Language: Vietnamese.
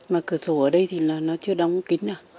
mà cửa sổ ở đây thì nó chưa đóng kín à